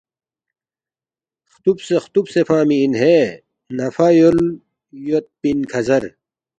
ختوبسے ختوبسے فنگمی ان ہے نہ فہ یول یود پن کھزر